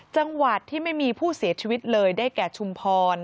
จังหวัดที่ไม่มีผู้เสียชีวิตเลยได้แก่ชุมพร